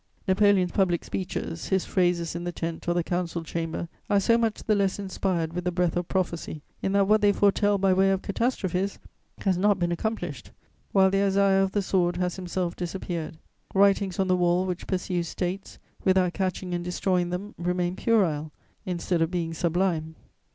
Napoleon's public speeches, his phrases in the tent or the council chamber are so much the less inspired with the breath of prophecy in that what they foretell by way of catastrophes has not been accomplished, while the Isaias of the sword has himself disappeared: writings on the wall which pursue States, without catching and destroying them, remain puerile, instead of being sublime.